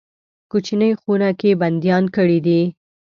کوچنۍ خونه کې بندیان کړي دي.